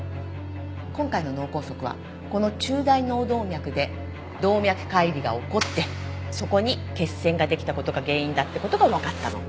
今回の脳梗塞はこの中大脳動脈で動脈解離が起こってそこに血栓ができた事が原因だって事がわかったの。